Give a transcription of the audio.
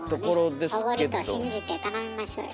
そこはもうねおごりと信じて頼みましょうよ。